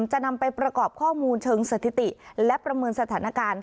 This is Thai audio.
จะนำไปประกอบข้อมูลเชิงสถิติและประเมินสถานการณ์